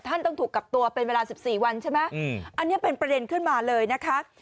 ต้องถูกกักตัวเป็นเวลา๑๔วันใช่ไหมอันนี้เป็นประเด็นขึ้นมาเลยนะคะ